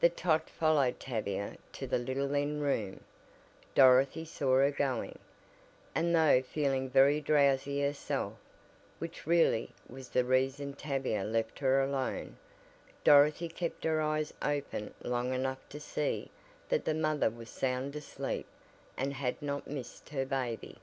The tot followed Tavia to the little end room Dorothy saw her going, and though feeling very drowsy herself (which really was the reason Tavia left her alone) Dorothy kept her eyes opened long enough to see that the mother was sound asleep, and had not missed her baby.